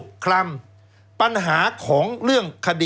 แล้วเขาก็ใช้วิธีการเหมือนกับในการ์ตูน